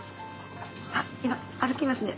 あっ今歩きますね。